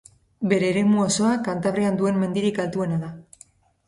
Bere eremu osoa Kantabrian duen mendirik altuena da.